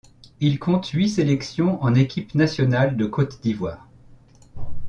Il compte huit sélections en équipe nationale de Côte d'Ivoire.